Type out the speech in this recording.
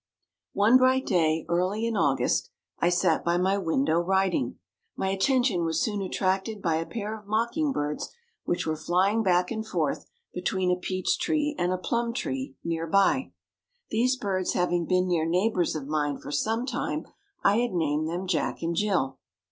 One bright day early in August I sat by my window writing. My attention was soon attracted by a pair of mocking birds which were flying back and forth between a peach tree and a plum tree near by. These birds having been near neighbors of mine for some time, I had named them Jack and Jill.